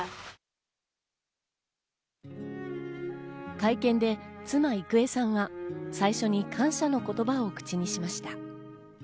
会見で妻・郁恵さんが最初に感謝の言葉を口にしました。